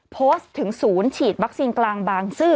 โพสต์ถึงศูนย์ฉีดวัคซีนกลางบางซื่อ